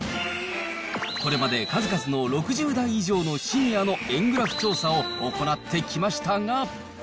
これまで数々の６０代以上のシニアの円グラフ調査を行ってきましたが。